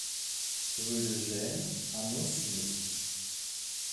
Rue de Gesnes à Montsûrs